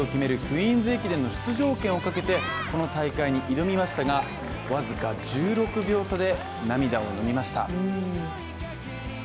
クイーンズ駅伝の出場権をかけてこの大会に挑みましたが僅か１６秒差で涙をのみました。